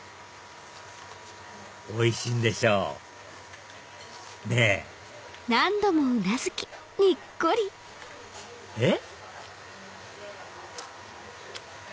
おいしいんでしょう？ねぇえっ？